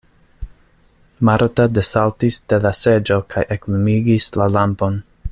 Marta desaltis de la seĝo kaj eklumigis la lampon.